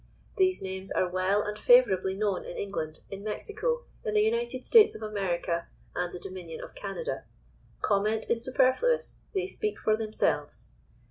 These names are well and favourably known in England, in Mexico, in the United States of America, and the Dominion of Canada. Comment is superfluous—they speak for themselves.